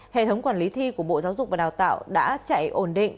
hệ thống quản lý thi của bộ giáo dục và đào tạo đã chạy ổn định